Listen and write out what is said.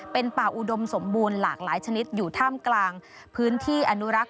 เป็นป่าอุดมสมบูรณ์หลากหลายชนิดอยู่ท่ามกลางพื้นที่อนุรักษ์